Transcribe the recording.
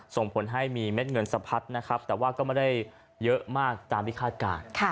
ส่งผลให้มีเม็ดเงินสะพัดนะครับแต่ว่าก็ไม่ได้เยอะมากตามที่คาดการณ์